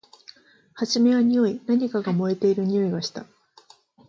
はじめはにおい。何かが燃えているにおいがした。